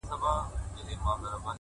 تـلاوت دي د ښايستو شعرو كومه~